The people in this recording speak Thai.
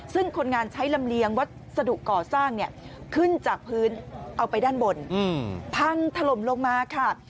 ซึ่งคนงานใช้ลำเลียงวัสดุก่อสร้างเนี่ยขึ้นจากพื้นเอาไปด้านบนพังถล่มลงมาค่ะ